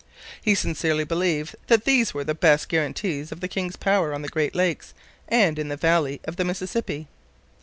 ] He sincerely believed that these were the best guarantees of the king's power on the Great Lakes and in the valley of the Mississippi.